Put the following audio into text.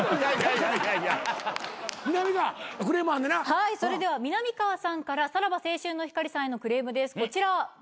はいそれではみなみかわさんからさらば青春の光さんへのクレームですこちら。